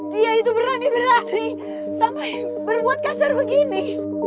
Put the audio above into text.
dia itu berani berani sampai berbuat kasar begini